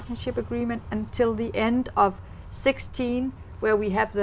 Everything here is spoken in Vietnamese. sự khác biệt trong nhiều cách